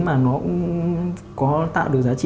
mà nó cũng có tạo được giá trị khác